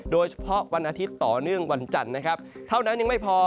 วันอาทิตย์ต่อเนื่องวันจันทร์นะครับเท่านั้นยังไม่พอ